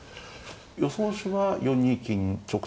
予想手は４二金直とか。